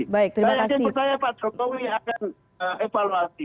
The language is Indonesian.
saya juga saya pak jokowi akan evaluasi